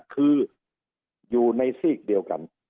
คืออยู่ในซีกเดียวกัน